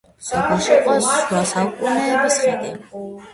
სოფელში იყო შუა საუკუნეების ხიდი.